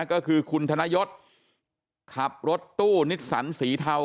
ก็คือคุณธนยศขับรถตู้นิสสันสีเทา